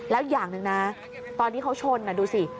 แล้วอย่างหนึ่งนะตอนที่เขาชนดูสิ